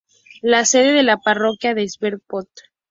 La sede de la parroquia es Shreveport.